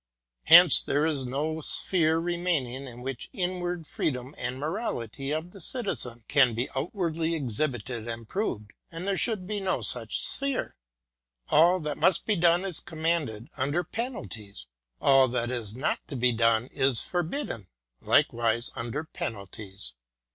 Hence, there is no sphere remaining in which the inward freedom and morality of the Citizen can be outwardly exhibited and proved, and there should be no such sphere. All that must be done is commanded, under penalties ; all that is not to be done is forbidden, likewise under penalties.